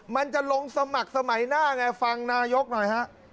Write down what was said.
มันจะลงสมัครสมัยหน้าไงฟังนายกหน่อยฮะ